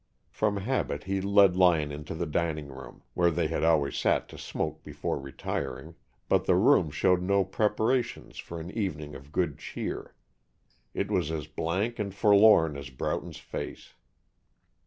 From habit he led Lyon into the dining room, where they had always sat to smoke before retiring, but the room showed no preparations for an evening of good cheer. It was as blank and forlorn as Broughton's face.